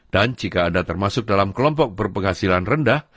dan jika anda termasuk dalam kelompok berpenghasilan rendah